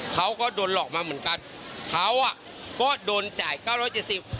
เขาก็โดนหลอกมาเหมือนกันเขาอ่ะก็โดนจ่ายเก้าร้อยเจ็ดสิบ